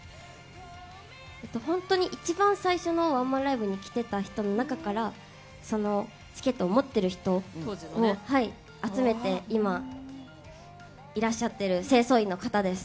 本当に一番最初のワンマンライブに来ていた人の中から、チケットを持っている人を集めて今いらっしゃる清掃員の方です。